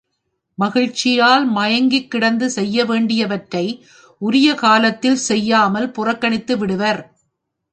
மகிழ்ச்சியால் மயங்கிக்கிடந்து செய்ய வேண்டியவற்றை உரிய காலத்தில் செய்யாமல் புறக்கணித்துவிடுவர்.